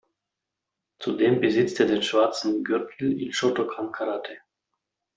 Zudem besitzt er den schwarzen Gürtel in Shotokan-Karate.